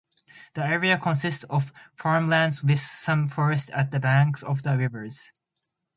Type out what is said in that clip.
The area consists of farmlands, with some forests at the banks of the rivers.